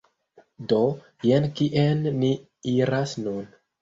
Do, jen kien ni iras nun